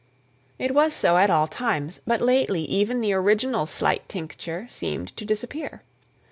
It was so at all times; but lately even the original slight tincture seemed to disappear.